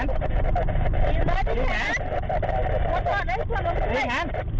นี่เรื่อยแล้วเบ้ฆแขน